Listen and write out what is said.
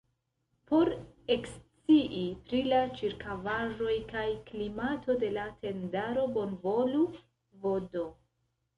Por ekscii pri la ĉirkaŭaĵoj kaj klimato de la tendaro bonvolu vd.